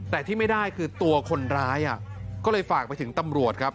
แต่ที่ไม่ได้คือตัวคนร้ายก็เลยฝากไปถึงตำรวจครับ